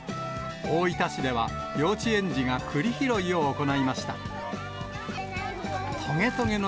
大分市では、幼稚園児がくり拾いを行いました。